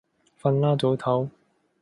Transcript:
瞓啦，早唞